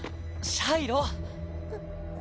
シャイロ。